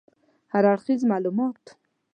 هراړخیز معلومات